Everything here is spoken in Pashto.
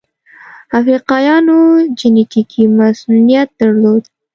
افریقایانو جنټیکي مصوونیت درلود.